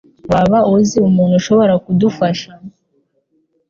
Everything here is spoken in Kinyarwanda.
Waba uzi umuntu ushobora kudufasha?